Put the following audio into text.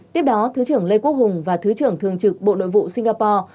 tiếp đó thứ trưởng lê quốc hùng và thứ trưởng thường trực bộ nội vụ singapore